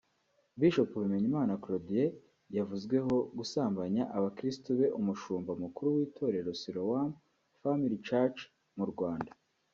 Bishop Bimenyimana Claudien yavuzweho gusambanya abakristo be Umushumba mukuru w’itorero Siloam Family Church mu Rwanda